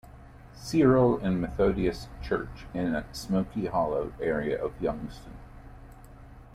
Cyril and Methodius Church, in the Smoky Hollow area of Youngstown.